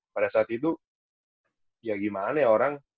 pada saat itu ya gimana ya orang